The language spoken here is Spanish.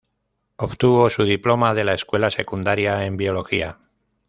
Obtuvo su diploma de la escuela secundaria en Biología.